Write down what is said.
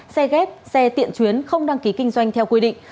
xe ghép xe tiện chuyến không đăng ký kinh doanh theo quy định